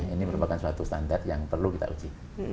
ini merupakan suatu standar yang perlu kita uji